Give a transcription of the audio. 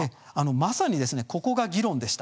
まさに、そこが議論でした。